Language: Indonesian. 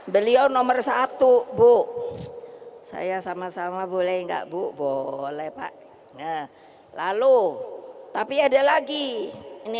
beliau nomor satu bu saya sama sama boleh enggak bu boleh pak nah lalu tapi ada lagi ini